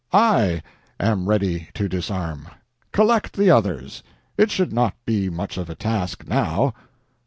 I am ready to disarm. Collect the others; it should not be much of a task now.